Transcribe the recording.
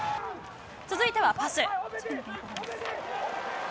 続いてはパス。